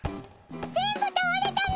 全部倒れたの。